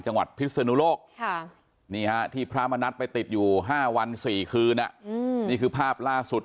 พิศนุโลกนี่ฮะที่พระมณัฐไปติดอยู่๕วัน๔คืนนี่คือภาพล่าสุด